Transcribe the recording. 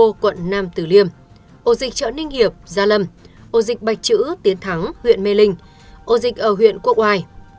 phú đô quận nam tử liêm ổ dịch trợ ninh hiệp gia lâm ổ dịch bạch chữ tiến thắng huyện mê linh ổ dịch ở huyện quốc hoài